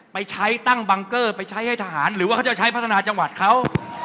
ไปใช้ตั้งบังเกอร์ไปใช้ให้ทหารหรือว่าเขาจะใช้พัฒนาจังหวัดเขา